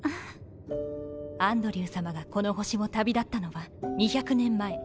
アンドリューさまがこの星を旅立ったのは２００年前。